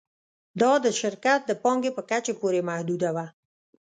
دا د شرکت د پانګې په کچې پورې محدوده وه